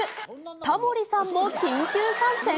タモリさんも緊急参戦？